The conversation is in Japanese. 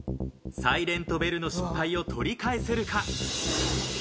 サイレントベルの失敗を取り返せるか。